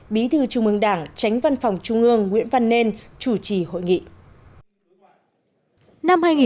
bí thư trung ương đảng tránh văn phòng trung ương nguyễn văn nên chủ trì hội nghị